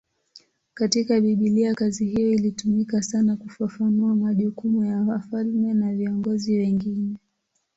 Katika Biblia kazi hiyo ilitumika sana kufafanua majukumu ya wafalme na viongozi wengine.